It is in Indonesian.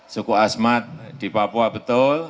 suku asmat di papua betul